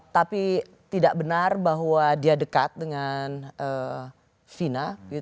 tapi tidak benar bahwa dia dekat dengan vina